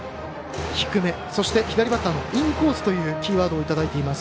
低め、そして左バッターのインコースというキーワードをいただいています。